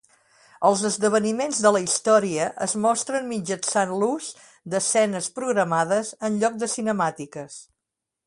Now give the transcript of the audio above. Els esdeveniments de la història es mostren mitjançant l’ús d’escenes programades en lloc de cinemàtiques.